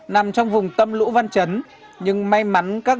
nằm trong vùng tâm lũ văn chấn nhưng may mắn các đơn vị trường ở sơn lương